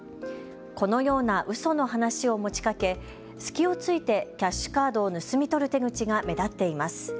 このようなうその話を持ちかけ隙を突いてキャッシュカードを盗み取る手口が目立っています。